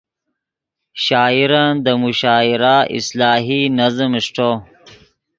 شاعرن دے مشاعرہ اصلاحی نظم اݰٹو